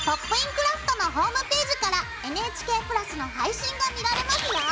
クラフト」のホームページからＮＨＫプラスの配信が見られますよ。